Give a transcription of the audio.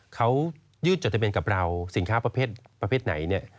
เขายืดจดทะเบียนกับเราสินค้าประเภทไหนเนี่ย